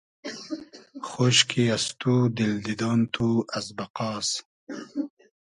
خۉشکی از تو دیل دیدۉن تو از بئقاس